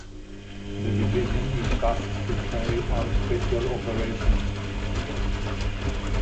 The division is tasked to carry out special operations.